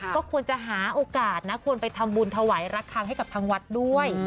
ก็ควรจะหาโอกาสนะควรไปทำบุญถวายระคังให้กับทางวัดด้วย